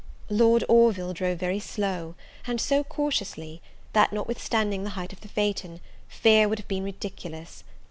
Lord Orville drove very slow, and so cautiously, that, notwithstanding the height of the phaeton, fear would have been ridiculous.